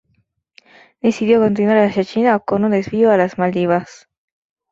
Decidió continuar hacia China con un desvío a las Maldivas.